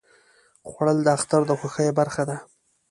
خوړل د اختر د خوښیو برخه ده